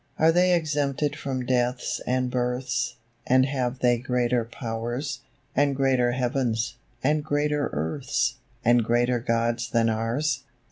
Are they exempted from deaths and births, And have they greater powers, And greater heavens, and greater earths, And greater Gods than ours?